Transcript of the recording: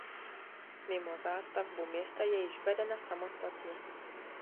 Mimo zástavbu města je již vedena samostatně.